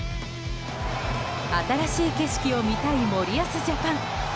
新しい景色を見たい森保ジャパン。